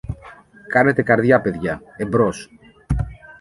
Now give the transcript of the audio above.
Κάνετε καρδιά, παιδιά, εμπρός!